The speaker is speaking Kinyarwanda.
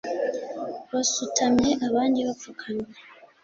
basutamye abandi bapfukamye